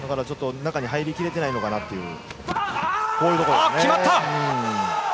中に入り切れていないのかなという決まった！